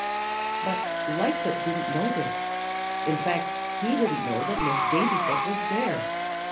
But Lightfoot didn't know this. In fact, he didn't know that Miss Daintyfoot was there.